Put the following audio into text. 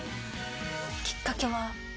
きっかけは？